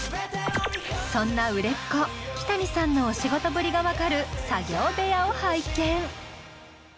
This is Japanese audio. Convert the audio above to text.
そんな売れっ子キタニさんのお仕事ぶりが分かる作業部屋を拝見。